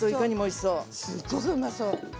すっごくうまそう。